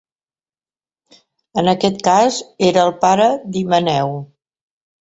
En aquest cas era el pare d'Himeneu.